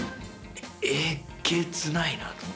えげつないなと。